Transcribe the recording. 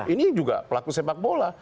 ini juga pelaku sepak bola